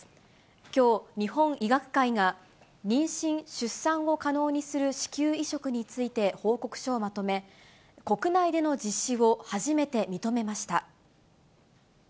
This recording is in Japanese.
きょう、日本医学会が妊娠、出産を可能にする子宮移植について報告書をまとめ、国内での実施を初めて認めました。